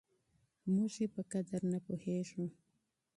موږ يې په قدر نه پوهېږو.